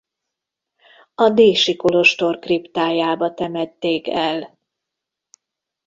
A dési kolostor kriptájába temették el.